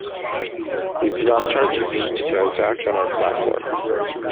We do not charge a fee to transact on our platform.